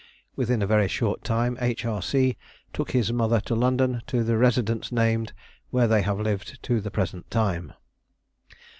Within a very short time H. R. C. took his mother to London, to the residence named, where they have lived to the present time.